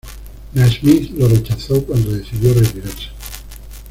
Nasmyth lo rechazó cuando decidió retirarse.